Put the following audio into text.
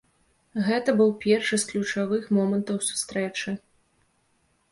Гэта быў першы з ключавых момантаў сустрэчы.